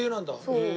へえ。